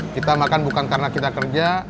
kita makan bukan karena kita kerja